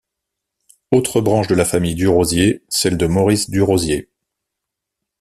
Autre branche de la famille Durozier, celle de Maurice Durozier.